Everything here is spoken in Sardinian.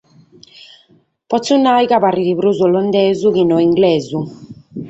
Potzo nàrrere chi paret prus olandesu chi no inglesu.